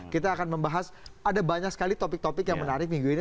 kita akan membahas ada banyak sekali topik topik yang menarik minggu ini